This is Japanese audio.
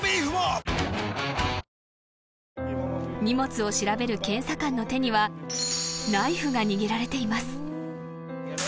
［荷物を調べる検査官の手にはナイフが握られています］